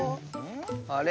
あれ？